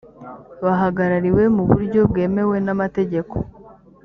bahagarariwe mu buryo bwemewe n’ amategeko